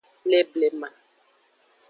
Le blema.